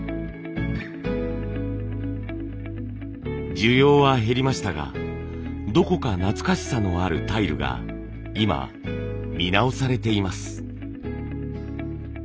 需要は減りましたがどこか懐かしさのあるタイルが今見直されています。